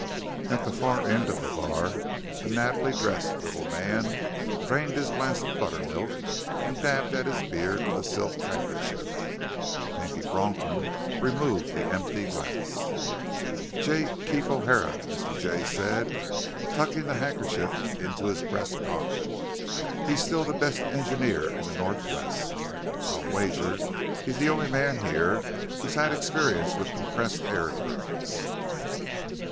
At the far end of the bar a nattily dressed little man drained his glass of buttermilk and dabbed at his beard with a silk handkerchief. Pinky Bronklin removed the empty glass. "J. Keef O'Hara," Mr. Jay said, tucking the handkerchief into his breast pocket. "He's still the best engineer in the Northwest. I'll wager he's the only man here who's had experience with compressed air drills."